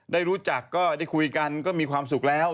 ได้รู้จักก็ได้คุยกันก็มีความสุขแล้ว